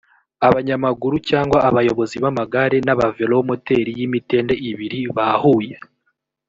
abanyamaguru cyangwa abayobozi b’amagare n’aba velomoteri y’ imitende ibiri bahuye